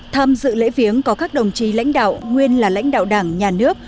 tham dự lễ viếng có các đồng chí lãnh đạo nguyên là lãnh đạo đảng nhà nước